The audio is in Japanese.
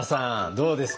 どうですか？